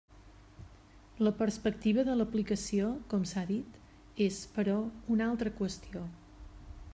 La perspectiva de l'aplicació, com s'ha dit, és, però, una altra qüestió.